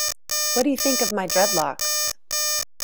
What do you think of my dreadlocks?